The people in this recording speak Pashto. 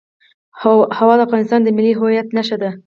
هوا د افغانستان د ملي هویت نښه ده.